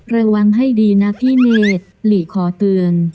ระวังให้ดีนะพี่เมฆหลีขอเตือน